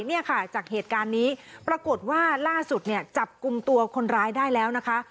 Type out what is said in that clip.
เนี่ยค่ะจากเหตุการณ์นี้ปรากฏว่าล่าสุดเนี่ยจับกลุ่มตัวคนร้ายได้แล้วนะคะ